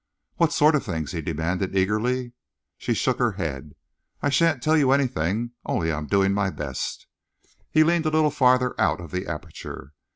"What sort of things?" he demanded eagerly. She shook her head. "I shan't tell you anything! Only I'm doing my best." He leaned a little farther out of the aperture.